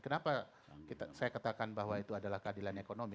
kenapa saya katakan bahwa itu adalah keadilan ekonomi